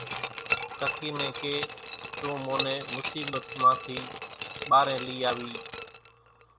ڪڪِي نين ڪي تون مون نين مصيٻت مان ٿي ٻارين لئي آوي۔